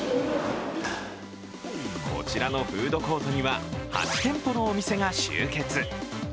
こちらのフードコートには、８店舗のお店が集結。